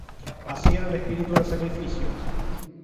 Así era el espíritu de sacrificio".